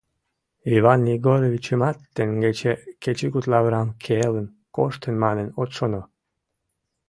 Иван Егоровичымат теҥгече кечыгут лаврам келын коштын манын от шоно.